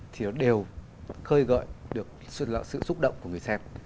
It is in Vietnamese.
thì nó đều khơi gợi được sự xúc động của người xem